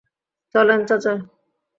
চলেন - চাচা।